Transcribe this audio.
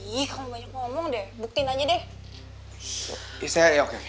ih kamu banyak ngomong deh buktin aja deh